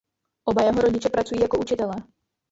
Oba jeho rodiče pracují jako učitelé.